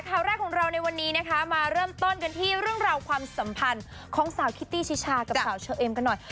ข่าวแรกของเราในวันนี้นะคะมาเริ่มต้นกันที่เรื่องราวความสัมพันธ์ของสาวคิตตี้ชิชากับสาวเชอเอ็มกันหน่อย